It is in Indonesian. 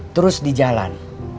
terus di jalan